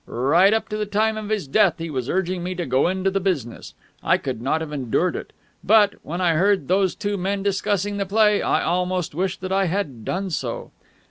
"Right up to the time of his death he was urging me to go into the business. I could not have endured it. But, when I heard those two men discussing the play, I almost wished that I had done so."